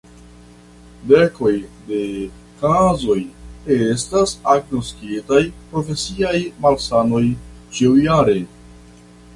Dekoj de kazoj estas agnoskitaj profesiaj malsanoj ĉiujare.